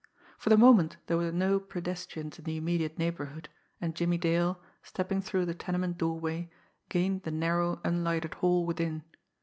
For the moment there were no pedestrians in the immediate neighbourhood, and Jimmie Dale, stepping through the tenement doorway, gained the narrow, unlighted hall within.